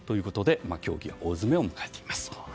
協議は大詰めを迎えています。